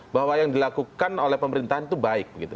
bahwa yang dilakukan oleh pemerintahan itu baik begitu